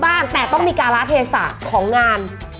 บ้างแต่ต้องมีการละเทศะของงาน